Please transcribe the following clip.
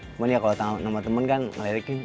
cuman ya kalau nama temen kan ngelirikin